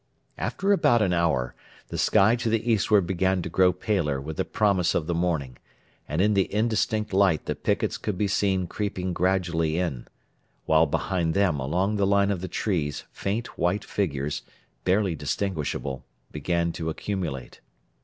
After about an hour the sky to the eastward began to grow paler with the promise of the morning and in the indistinct light the picquets could be seen creeping gradually in; while behind them along the line of the trees faint white figures, barely distinguishable, began to accumulate.